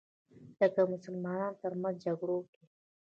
لکه مسلمانانو تر منځ جګړو کې